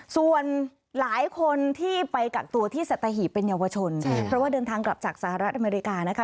ส่วนหลายคนที่ไปกักตัวที่สัตหีบเป็นเยาวชนเพราะว่าเดินทางกลับจากสหรัฐอเมริกานะคะ